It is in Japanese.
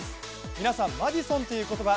皆さん、マディソンという言葉